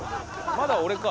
まだ俺か。